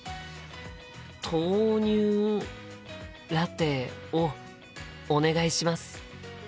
豆乳ラテをお願いします。